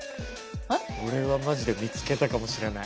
俺はマジで見つけたかもしれない。